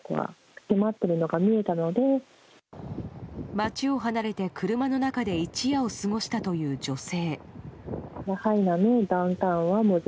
街を離れて、車の中で一夜を過ごしたという女性。